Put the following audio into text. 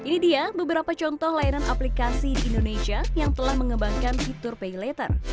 ini dia beberapa contoh layanan aplikasi di indonesia yang telah mengembangkan fitur pay later